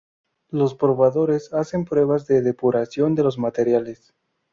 Los probadores hacen pruebas de depuración de los materiales.